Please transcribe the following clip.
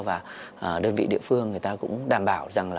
và đơn vị địa phương người ta cũng đảm bảo rằng là